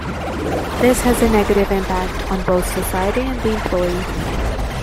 This has a negative impact on both society and on the employee.